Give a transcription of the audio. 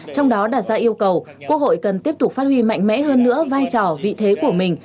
trong đó đặt ra yêu cầu quốc hội cần tiếp tục phát huy mạnh mẽ hơn nữa vai trò vị thế của mình